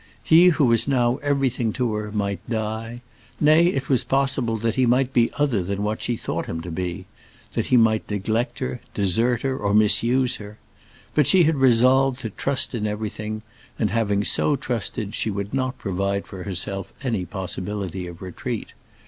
He who was now everything to her might die; nay, it was possible that he might be other than she thought him to be; that he might neglect her, desert her, or misuse her. But she had resolved to trust in everything, and, having so trusted, she would not provide for herself any possibility of retreat.